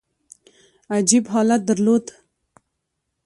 عجیب حالت درلود.